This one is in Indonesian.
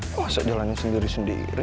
kok masa jalanin sendiri sendiri